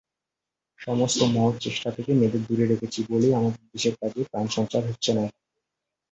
সমস্ত মহৎ চেষ্টা থেকে মেয়েদের দূরে রেখেছি বলেই আমাদের দেশের কাজে প্রাণসঞ্চার হচ্ছে না।